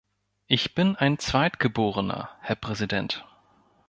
Ich bin ein Zweitgeborener, Herr Präsident.